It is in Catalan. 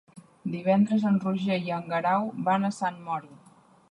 Divendres en Roger i en Guerau van a Sant Mori.